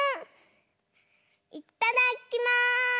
いっただっきます！